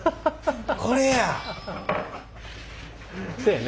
これや！